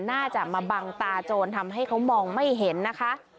น่าจะมาบังตาโจรทำให้เขามองไม่เห็นนะคะ